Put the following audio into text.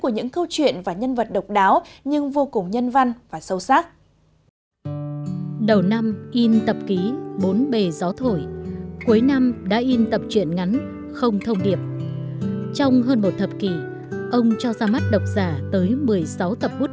những câu chuyện và nhân vật độc đáo nhưng vô cùng nhân văn và sâu sắc